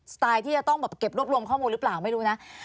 ไตล์ที่จะต้องแบบเก็บรวบรวมข้อมูลหรือเปล่าไม่รู้นะ